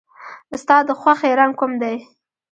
ستا د خوښې رنګ کوم دی؟